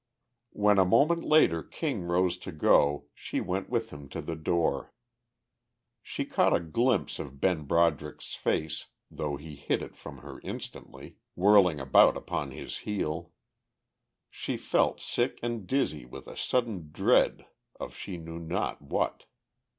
When a moment later King rose to go she went with him to the door. She caught a glimpse of Ben Broderick's face, though he hid it from her instantly, whirling about upon his heel; she felt sick and dizzy with a sudden dread of she knew not what.